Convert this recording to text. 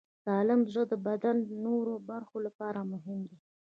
سالم زړه د بدن د نورو برخو لپاره مهم دی.